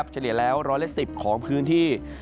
เฉลี่ยแล้ว๑๑๐ของพื้นที่